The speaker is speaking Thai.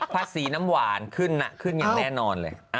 สีน้ำหวานขึ้นขึ้นอย่างแน่นอนเลย